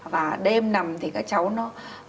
và đêm nằm thì các cháu nó